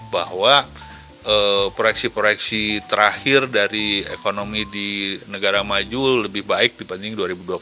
bahwa proyeksi proyeksi terakhir dari ekonomi di negara maju lebih baik dibanding dua ribu dua puluh